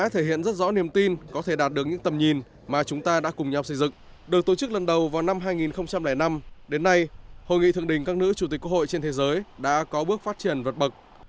trong năm hai nghìn năm đến nay hội nghị thượng đình các nữ chủ tịch hội trên thế giới đã có bước phát triển vật bậc